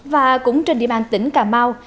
và cũng trên địa bàn tỉnh cà mau